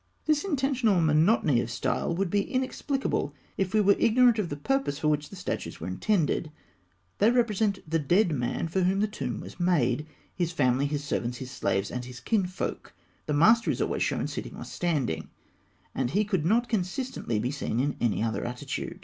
This intentional monotony of style would be inexplicable if we were ignorant of the purpose for which such statues were intended. They represent the dead man for whom the tomb was made, his family, his servants, his slaves, and his kinsfolk. The master is always shown sitting or standing, and he could not consistently be seen in any other attitude.